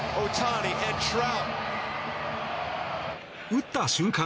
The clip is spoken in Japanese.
打った瞬間